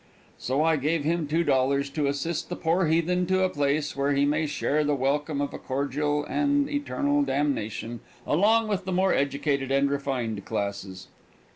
So I gave him $2 to assist the poor heathen to a place where he may share the welcome of a cordial and eternal damnation along with the more educated and refined classes.